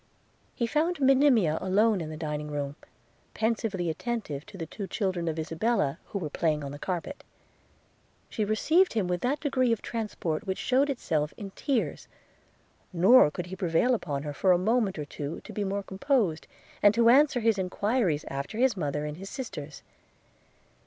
– He found Monimia alone in the dining room, pensively attentive to the two children of Isabella, who were playing on the carpet. – She received him with that degree of transport which shewed itself in tears; nor could he prevail upon her for a moment or two to be more composed, and to answer his enquiries after his mother and his sisters.